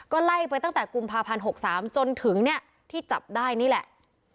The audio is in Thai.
ก็ไล่ไปตั้งแต่กุมภาพันธ์๖๓จนถึงเนี่ยที่จับได้นี่แหละ